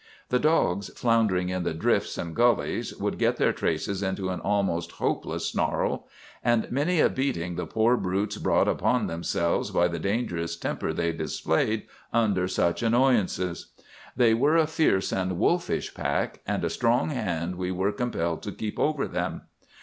The dogs, floundering in the drifts and gullies, would get their traces into an almost hopeless snarl; and many a beating the poor brutes brought upon themselves by the dangerous temper they displayed under such annoyances. They were a fierce and wolfish pack, and a strong hand we were compelled to keep over them.